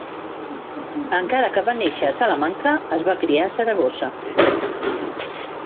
Encara que va néixer a Salamanca, es va criar a Saragossa.